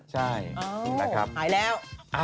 หายแล้ว